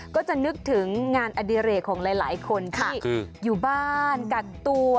ก็จะนึกถึงงานอดิเรกของหลายคนที่อยู่บ้านกักตัว